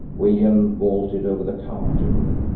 William vaulted over the counter.